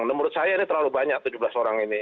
menurut saya ini terlalu banyak tujuh belas orang ini